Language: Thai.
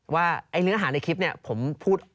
ว่าเนื้อหาในคลิปผมพูด